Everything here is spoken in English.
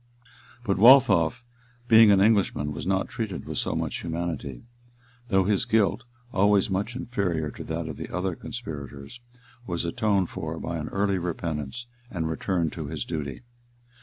{1075.} But Waltheof, being an Englishman, was not treated with so much humanity; though his guilt, always much inferior to that of the other conspirators, was atoned for by an early repentance and return to his duty.